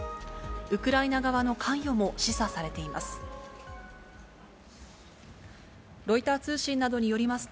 ウクライナ側の関与も示唆されています。